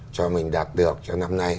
cho mình đạt được cho năm nay